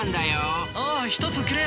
おお１つくれよ。